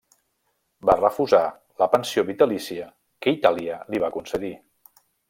Va refusar la pensió vitalícia que Itàlia li va concedir.